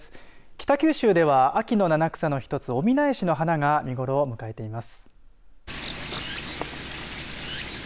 北九州では秋の七草の一つおみなえしの花が見頃を迎えています。